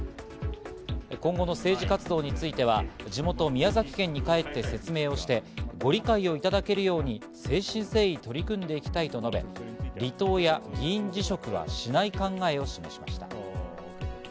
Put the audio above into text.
今後の政治活動については、地元宮崎県に帰って説明をして、ご理解をいただけるように誠心誠意、取り組んでいきたいと述べ、離党や議員辞職はしない考えを示しました。